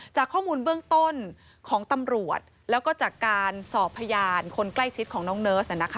จากข้อมูลเบื้องต้นของตำรวจแล้วก็จากการสอบพยานคนใกล้ชิดของน้องเนิร์ส